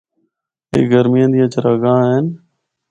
اے گرمیاں دیاں چراگاہاں ہن۔